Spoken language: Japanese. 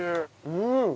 うん！